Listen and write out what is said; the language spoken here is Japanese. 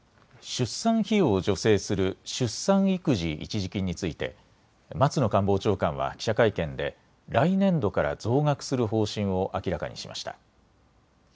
出産費用を助成する出産育児一時金について松野官房長官は記者会見で来年度から増額する方針を明らかにしました。